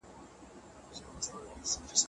احمد شاه ابدالي ولي کابل ته سفر وکړ؟